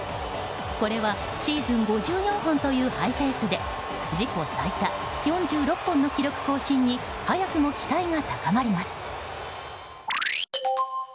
これはシーズン５４本というハイペースで自己最多４６本の記録更新に早くも期待が高まります。